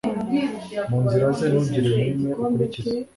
Mu nzira ze ntugire nimwe ukurikiza